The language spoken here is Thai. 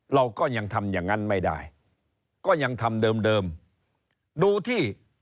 เราก็ยังทำอย่างนั้นไม่ได้